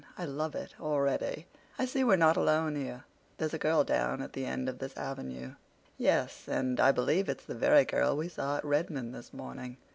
I love it already. I see we're not alone here—there's a girl down at the end of this avenue." "Yes, and I believe it's the very girl we saw at Redmond this morning.